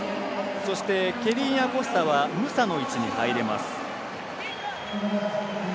そして、ケリン・アコスタはムサの位置に入ります。